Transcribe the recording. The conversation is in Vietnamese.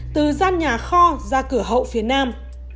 từ gian nhà kho ra cửa hậu phía nam